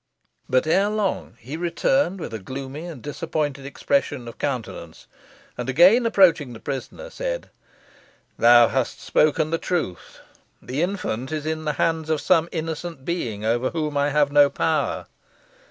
But ere long he returned with a gloomy and disappointed expression of countenance, and again approaching the prisoner said, "Thou hast spoken the truth. The infant is in the hands of some innocent being over whom I have no power."